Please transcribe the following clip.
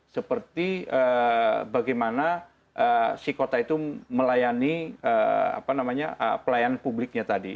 seperti bagaimana si kota itu melayani pelayanan publiknya tadi